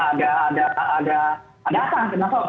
maka ada sesuatu di belakang kita juga perlu pertanyakan